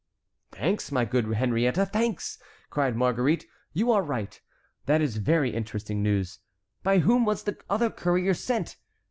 "Thanks, my good Henriette, thanks!" cried Marguerite. "You are right; that is very interesting news. By whom was the other courier sent?